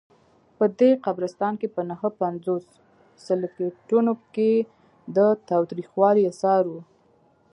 په دې قبرستان کې په نههپنځوس سکلیټونو کې د تاوتریخوالي آثار وو.